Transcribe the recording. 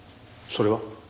それは？